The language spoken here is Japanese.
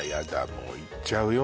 もういっちゃうよ